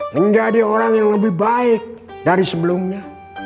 menjadi orang yang lebih baik dari sebelumnya